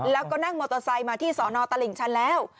แล้วก็นั่งมอเตอร์ไซค์มาที่สอนอตลิ่งชันแล้ว